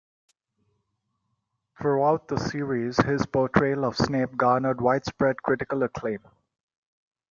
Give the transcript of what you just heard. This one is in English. Throughout the series, his portrayal of Snape garnered widespread critical acclaim.